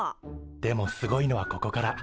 でもすごいのはここから。